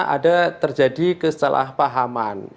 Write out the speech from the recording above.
ada terjadi kesalahpahaman